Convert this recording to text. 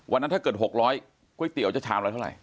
วันนั้นถ้าเกิด๖๐๐ก๋วยเตี๋ยวจะชามอะไรเท่าไหร่